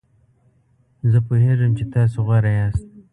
زه پوهیږم چې تاسو غوره یاست.